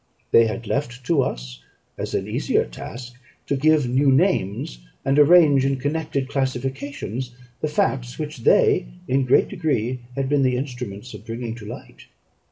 They had left to us, as an easier task, to give new names, and arrange in connected classifications, the facts which they in a great degree had been the instruments of bringing to light.